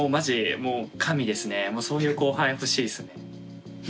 もうそういう後輩欲しいですね。